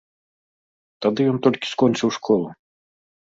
Тады ён толькі скончыў школу.